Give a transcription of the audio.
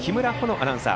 アナウンサー